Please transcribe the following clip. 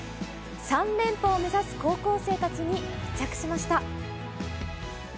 ３連覇を目指す高校生たちに密着しました。